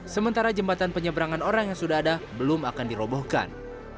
sementara jembatan penyeberangan orang yang sudah ada belum akan dirobohkan